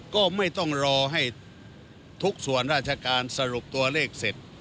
ก็ไม่ต้องรอให้ทุกส่วนราชการสรุปตัวเลขเสร็จ